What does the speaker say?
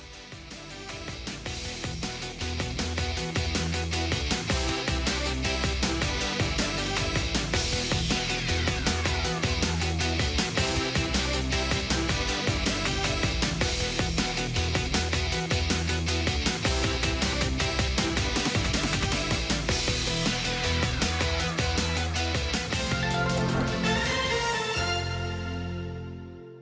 มีความมันหลากหลายรูปแบบมาฝากกันสวัสดีครับ